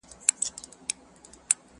د ژوندیو په کورونو کي به غم وي٫